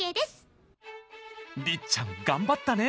りっちゃん頑張ったね。